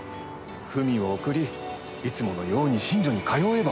文を送りいつものように寝所に通えば。